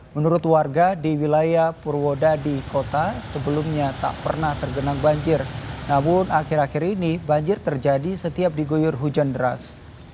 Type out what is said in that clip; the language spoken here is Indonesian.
menurut warga di wilayah purwodadi kota sebelumnya tak pernah tergenang banjir namun akhir akhir ini banjir terjadi setiap diguyur hujan deras